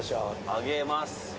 上げます。